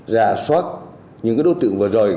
già soát những đối tượng vừa rồi